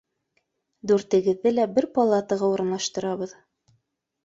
Дүртегеҙҙе лә бер палатаға урынлаштырабыҙ.